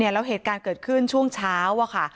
แล้วเหตุการณ์เกิดขึ้นช่วงเช้าค่ะ